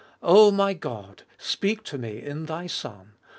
0 my God! speak to me in Thy Son.